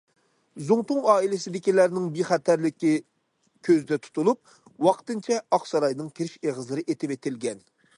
زۇڭتۇڭ ئائىلىسىدىكىلەرنىڭ بىخەتەرلىكى كۆزدە تۇتۇلۇپ، ۋاقتىنچە ئاق ساراينىڭ كىرىش ئېغىزلىرى ئېتىۋېتىلگەن.